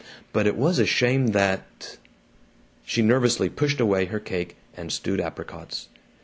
But it WAS a shame that She nervously pushed away her cake and stewed apricots.